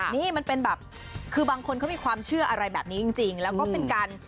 นี่มันเป็นแบบคือบางคนเขามีความเชื่ออะไรแบบนี้จริงแล้วก็เป็นการ